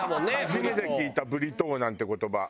初めて聞いたブリトーなんて言葉。